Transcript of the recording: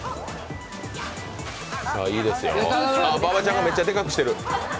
馬場ちゃんがめっちゃでかくしてる。